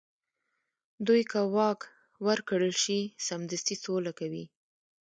دوی که واک ورکړل شي، سمدستي سوله کوي.